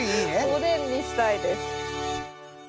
おでんにしたいです。